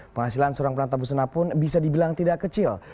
penghasilan seorang penanta busana pun bisa dibilang tidak kecil